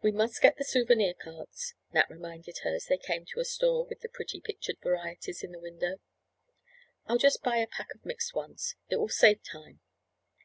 "We must get the souvenir cards," Nat reminded her, as they came to a store with the pretty pictured varieties in the window. "I'll just buy a pack of mixed ones—it will save time."